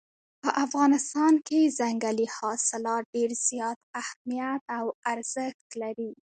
په افغانستان کې ځنګلي حاصلات ډېر زیات اهمیت او ارزښت لري.